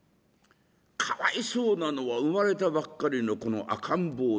かわいそうなのは生まれたばっかりのこの赤ん坊ですよ。